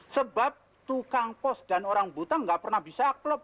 sebab tukang pos dan orang buta nggak pernah bisa upload